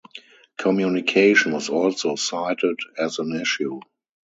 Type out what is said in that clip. Communication was also cited as an issue.